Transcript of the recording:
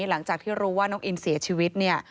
หลังจากที่รู้ว่าน้องอินเสียชีวิตเนี่ย